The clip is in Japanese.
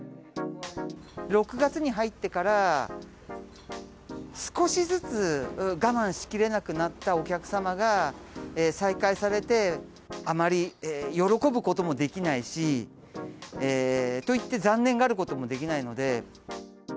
６月に入ってから、少しずつ我慢しきれなくなったお客様が再開されて、あまり喜ぶこともできないし、といって、残念がることもできないので。